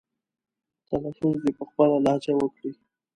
تلفظ دې په خپله لهجه وکړي.